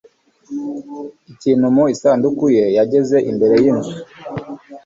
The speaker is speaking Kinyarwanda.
ikintu mu isanduku ye. yageze imbere y'inzu